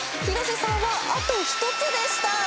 広瀬さんはあと１つでした。